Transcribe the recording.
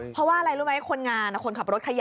เพราะว่าอะไรรู้ไหมคนงานคนขับรถขยะ